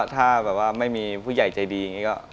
แต่ถ้าไม่มีผู้ใหญ่ใจดี